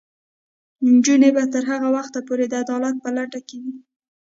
نجونې به تر هغه وخته پورې د عدالت په لټه کې وي.